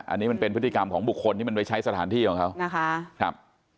อันนี้มันเป็นพฤติกรรมของบุคคลที่มันไว้ใช้สถานที่ของเขานะคะครับ